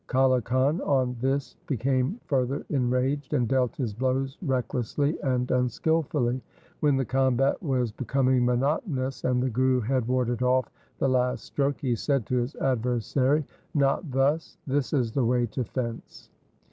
Kale Khan on this became further enraged and dealt his blows recklessly and unskilfully. When the combat was becoming monotonous and the Guru had warded off the last stroke, he said to his adversary, ' Not thus ; this is the way to fence.'